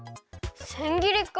せんぎりか。